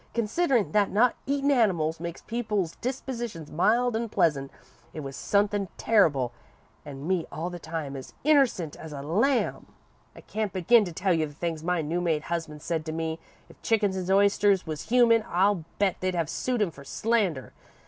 Considerin' that not eatin' animals makes people's dispositions mild an' pleasant, it was sunthin' terrible, an' me all the time as innercent as a lamb! "I can't begin to tell you the things my new made husband said to me. If chickens an' oysters was human, I'll bet they'd have sued him for slander.